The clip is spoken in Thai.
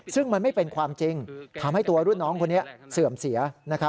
ซึ่งมันไม่เป็นความจริงทำให้ตัวรุ่นน้องคนนี้เสื่อมเสีย